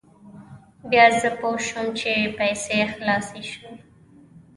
بیا زه پوه شوم چې پیسې خلاصې شوې.